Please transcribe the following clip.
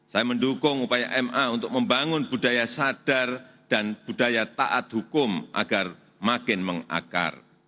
saya mendukung upaya ma untuk membangun budaya sadar dan budaya taat hukum agar makin mengakar